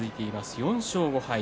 ４勝５敗。